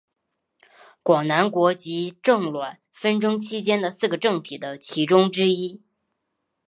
广南国及郑阮纷争期间的四个政体的其中之一。